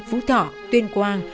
phú thọ tuyên quang